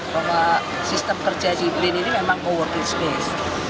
karena sistem kerja di brin ini memang coworking space